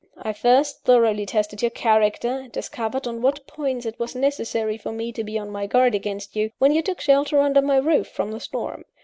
I first thoroughly tested your character, and discovered on what points it was necessary for me to be on my guard against you, when you took shelter under my roof from the storm.